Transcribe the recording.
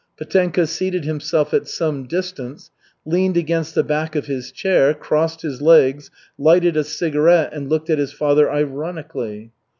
Petenka seated himself at some distance, leaned against the back of his chair, crossed his legs, lighted a cigarette, and looked at his father ironically.